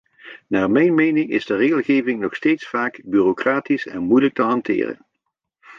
Naar mijn mening is de regelgeving nog steeds vaak bureaucratisch en moeilijk te hanteren.